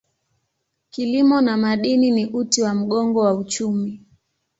Kilimo na madini ni uti wa mgongo wa uchumi.